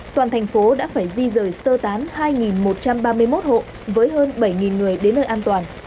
toàn thành phố đã phải di rời sơ tán hai một trăm ba mươi một hộ với hơn bảy người đến nơi an toàn